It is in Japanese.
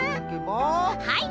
はい！